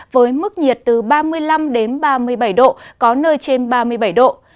với mức nhiệt từ ba mươi năm ba mươi bảy độ có nơi trên ba mươi bảy độ